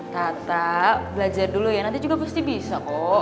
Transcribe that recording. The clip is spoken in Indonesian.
tata belajar dulu ya nanti juga pasti bisa kok